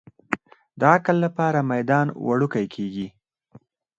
د عقل لپاره میدان وړوکی کېږي.